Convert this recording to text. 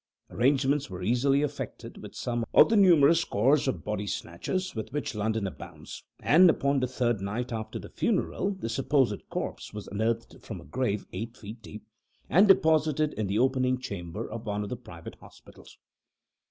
Arrangements were easily effected with some of the numerous corps of body snatchers, with which London abounds; and, upon the third night after the funeral, the supposed corpse was unearthed from a grave eight feet deep, and deposited in the opening chamber of one of the private hospitals.